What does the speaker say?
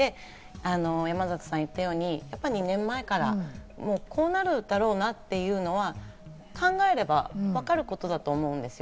山里さんが言ったように２年前からこうなるだろうなっていうのは考えればわかることだと思うんですよ。